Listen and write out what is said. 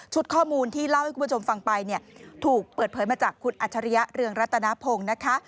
ข้อมูลที่เล่าให้คุณผู้ชมฟังไปเนี่ยถูกเปิดเผยมาจากคุณอัจฉริยะเรืองรัตนพงศ์นะคะ